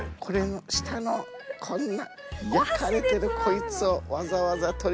下のこんな焼かれてるこいつをわざわざ取り出して。